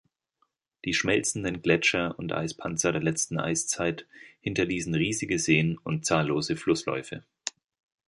Die schmelzenden Gletscher und Eispanzer der letzten Eiszeit hinterließen riesige Seen und zahllose Flussläufe.